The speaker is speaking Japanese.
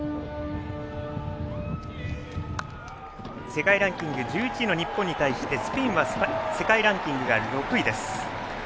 世界ランキング１１位の日本に対してスペインは世界ランキングが６位。